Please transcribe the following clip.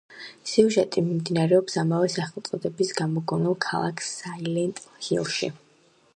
სიუჟეტი მიმდინარეობს ამავე სახელწოდების გამოგონილ ქალაქ საილენტ ჰილში.